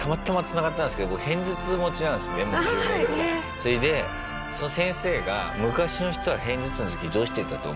それでその先生が「昔の人は片頭痛の時どうしてたと思う？」